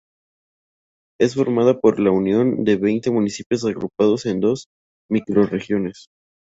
Es formada por la unión de veinte municipios agrupados en dos microrregiones.